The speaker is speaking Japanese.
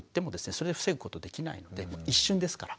それで防ぐことできないので一瞬ですから。